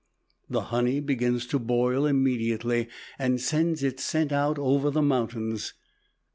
The honey begins to boil immediately and sends its scent out over the mountains.